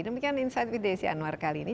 demikian insight with desi anwar kali ini